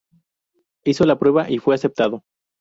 Hizo la prueba y fue aceptado.